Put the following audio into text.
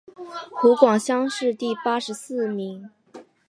湖广乡试第八十四名。